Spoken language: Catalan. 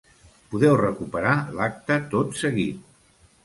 Podeu recuperar l’acte tot seguit.